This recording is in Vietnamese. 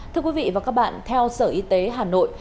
thưa quý vị và các bạn theo sở y tế hà nội